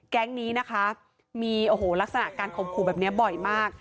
แก๊งนี้นะคะมีโอ้โหลักษณะการข่มขู่แบบนี้บ่อยมาก